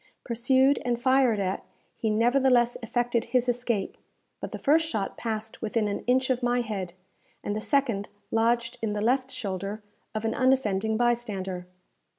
Pursued and fired at, he nevertheless effected his escape; but the first shot passed within an inch of my head, and the second lodged in the left shoulder of an unoffending bystander.